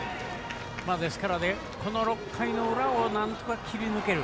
この６回の裏をなんとか切り抜ける。